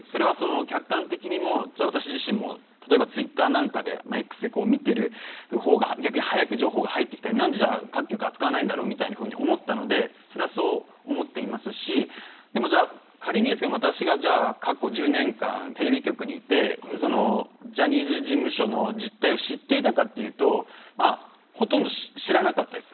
客観的にも私自身も、ツイッターＸで見ている方が早く情報が入ってきてなんで各局が扱わないんだと思ったのでそう思っていますし仮に私が過去１０年間テレビ局にいてジャニーズ事務所の実態を知っていたかというとほとんど知らなかったです。